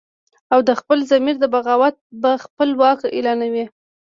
او د خپل ضمیر د بغاوته به خپل واک اعلانوي